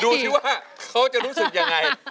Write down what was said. ดูสิว่าเขาจะรู้สึกยังไง